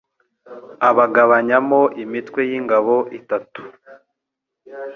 abagabanyamo imitwe y ingabo itatu